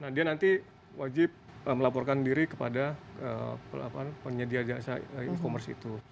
nah dia nanti wajib melaporkan diri kepada penyedia jasa e commerce itu